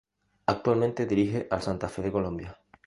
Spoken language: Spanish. Actualmente dirige al Santa Fe de Colombia.